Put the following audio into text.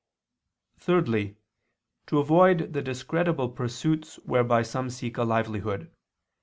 Thirdly, to avoid the discreditable pursuits whereby some seek a livelihood.